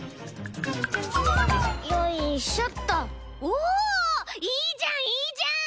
おおいいじゃんいいじゃん！